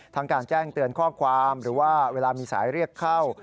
การแจ้งเตือนข้อความหรือว่าเวลามีสายเรียกเข้า